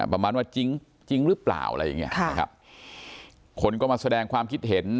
ประมาณว่าจริงจริงหรือเปล่าอะไรอย่างเงี้ยค่ะนะครับคนก็มาแสดงความคิดเห็น